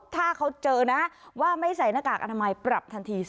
ถ้าเขาเจอนะว่าไม่ใส่หน้ากากอนามัยปรับทันที